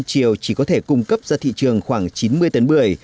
tân triều chỉ có thể cung cấp ra thị trường khoảng chín mươi tấn bưởi